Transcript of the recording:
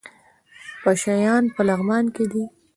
پشه یان په لغمان کې دي؟